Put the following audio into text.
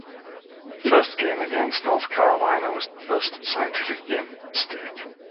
The first game against North Carolina was the first "scientific" game in the state.